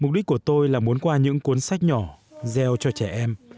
mục đích của tôi là muốn qua những cuốn sách nhỏ gieo cho trẻ em